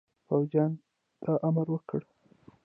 پوځیانو ته امر وکړ.